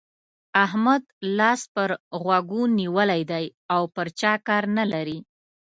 احمد لاس پر غوږو نيولی دی او پر چا کار نه لري.